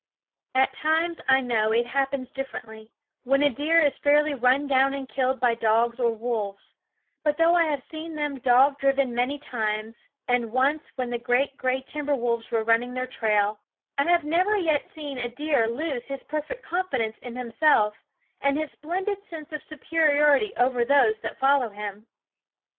At times, I know, it happens differently, when a deer is fairly run down and killed by dogs or wolves ; but though I have seen them dog driven many times, and once when the great gray timber wolves were running their trail, I have never yet seen a deer lose his perfect confidence in himself, and his splendid sense of superiority over those that follow him.